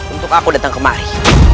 untuk aku datang kemari